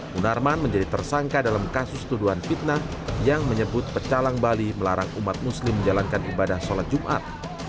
munarman menjadi tersangka dalam kasus tuduhan fitnah yang menyebut pecalang bali melarang umat muslim menjalankan ibadah sholat jumat